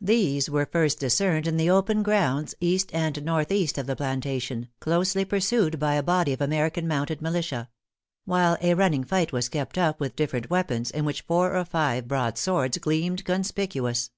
These were first discerned in the open grounds east and northeast of the plantation, closely pursued by a body of American mounted militia; while a running fight was kept up with different weapons, in which four or five broad swords gleamed conspicuous.